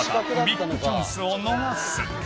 西畑、ビッグチャンスを逃す。